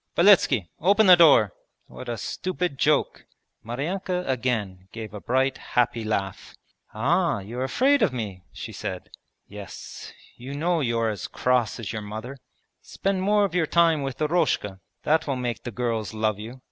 'Beletski! Open the door! What a stupid joke!' Maryanka again gave a bright happy laugh. 'Ah, you're afraid of me?' she said. 'Yes, you know you're as cross as your mother.' 'Spend more of your time with Eroshka; that will make the girls love you!'